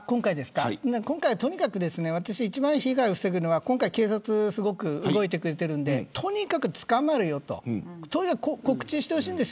今回は、一番被害を防ぐには警察がすごく動いてくれているのでとにかく捕まるよと告知してほしいんです。